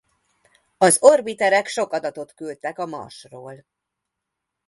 Az orbiterek sok adatot küldtek a Marsról.